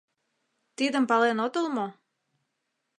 Тидым пален отыл мо?